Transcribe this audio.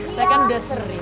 saya kan udah sering